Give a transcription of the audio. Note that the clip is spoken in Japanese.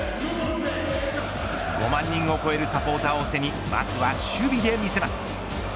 ５万人を超えるサポーターを背にまずは守備で見せます。